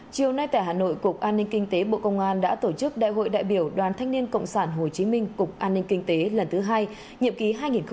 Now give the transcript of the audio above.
chiều nay tại hà nội cục an ninh kinh tế bộ công an đã tổ chức đại hội đại biểu đoàn thanh niên cộng sản hồ chí minh cục an ninh kinh tế lần thứ hai nhậm ký hai nghìn hai mươi hai nghìn hai mươi năm